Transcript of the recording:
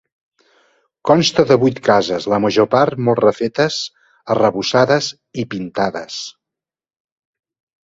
Consta de vuit cases, la major part molt refetes, arrebossades i pintades.